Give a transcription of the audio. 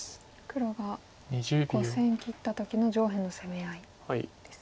黒が５線切った時の上辺の攻め合いですね。